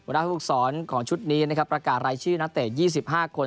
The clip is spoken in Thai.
ผู้ฝึกศรของชุดนี้นะครับประกาศรายชื่อนักเตะ๒๕คน